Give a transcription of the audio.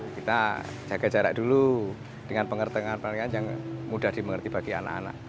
kita jaga jarak dulu dengan pengertian pengertian yang mudah dimengerti bagi anak anak